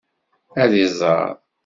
Ad iẓer.